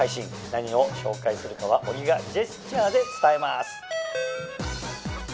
何を紹介するかは小木がジェスチャーで伝えます。